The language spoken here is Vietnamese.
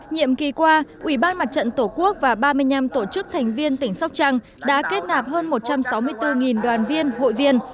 nhiệm kỳ qua ủy ban mặt trận tổ quốc và ba mươi năm tổ chức thành viên tỉnh sóc trăng đã kết nạp hơn một trăm sáu mươi bốn đoàn viên hội viên